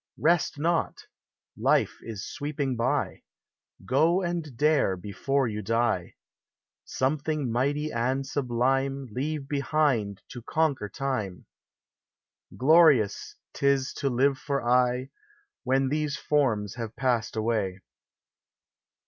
Rest not! Life is sweeping by ; Go and dare before yon die : Something mighty and sublime Leave behind to conquer time! Glorious 't is to live for aye, When these forms have passed ;iway.